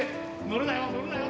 乗るなよ！